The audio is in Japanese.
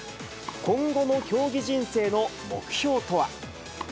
今後の競技人生の目標とは。